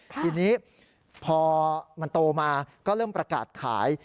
ทีนี้พอมันโตมาก็เริ่มประกาศขาย